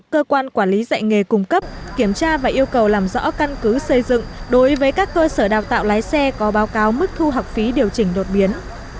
cơ quan quản lý dạy nghề cung cấp kiểm tra và yêu cầu làm rõ căn cứ xây dựng đối với các cơ sở đào tạo lái xe có báo cáo mức thu học phí điều chỉnh đột biến